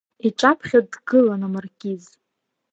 Иҿаԥхьа дгылан амаркиз.